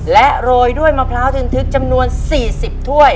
และโรยด้วยมะพร้าวทึนทึกจำนวน๔๐ถ้วย